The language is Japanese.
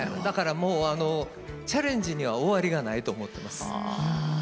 だからもうチャレンジには終わりがないと思ってます。